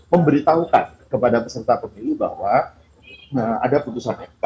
memberitahukan kepada peserta pemilu bahwa ada putusan mk